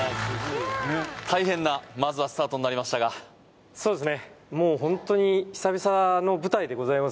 大変なまずはスタートになりましたがそうですね